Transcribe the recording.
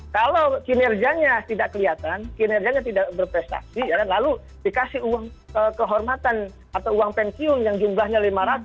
kalau kinerjanya tidak kelihatan kinerjanya tidak berprestasi lalu dikasih uang kehormatan atau uang pensiun yang jumlahnya lima ratus delapan puluh empat ratus lima puluh empat